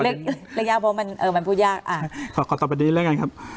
เรียกละยาวเพราะมันเออมันพูดยากอะขอขอตอบ